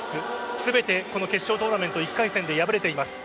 全てこの決勝トーナメント１回戦で敗れています。